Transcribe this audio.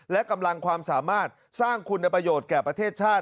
และกำลังความสามารถสร้างคุณประโยชน์แก่ประเทศชาติ